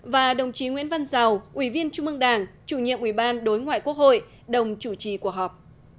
và đồng chí nguyễn văn giàu ủy viên trung ương đảng chủ nhiệm ubndqh đồng chủ trì của họp